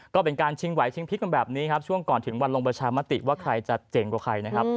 ก็เป็นการชิงไหวชิงพลิกกันแบบนี้ครับช่วงก่อนถึงวันลงประชามติว่าใครจะเจ๋งกว่าใครนะครับ